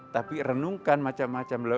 tapi renungkan macam macam